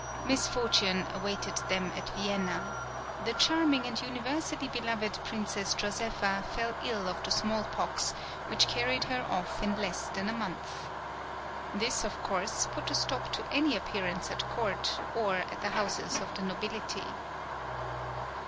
Misfortune awaited them at Vienna. The charming and universally beloved Princess Josepha fell ill of the small pox, which carried her off in less than a month. This, of course, put a stop to any appearance at court, or at the houses of the nobility.